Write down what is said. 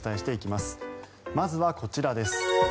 まずはこちらです。